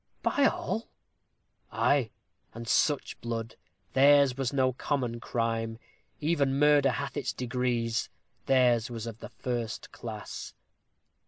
"By all?" "Ay, and such blood! theirs was no common crime. Even murder hath its degrees. Theirs was of the first class."